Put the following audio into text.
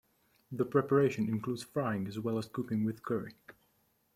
The preparation includes frying as well as cooking with curry.